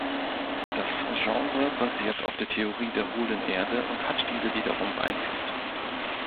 Das Genre basiert auf der Theorie der Hohlen Erde und hat diese wiederum beeinflusst.